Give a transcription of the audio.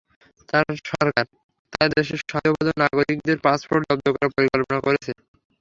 তাঁর সরকার তাঁর দেশের সন্দেহভাজন নাগরিকদের পাসপোর্ট জব্দ করার পরিকল্পনা করেছে।